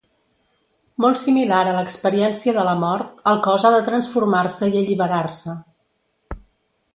Molt similar a l'experiència de la mort, el cos ha de transformar-se i alliberar-se.